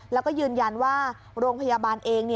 แล้วก็ยืนยันว่าโรงพยาบาลเอง